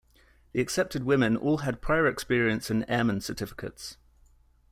The accepted women all had prior experience and airman certificates.